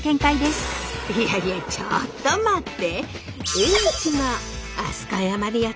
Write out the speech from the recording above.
いやいやちょっと待って。